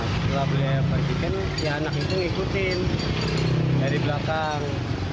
setelah beli ayam fried chicken ya anak itu ngikutin dari belakang